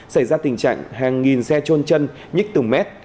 xảy ra tình trạng hàng nghìn xe trôn chân nhích từng mét